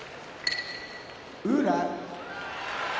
宇良